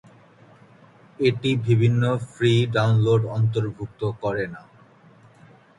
এটি বিভিন্ন free download অন্তর্ভুক্ত করে না।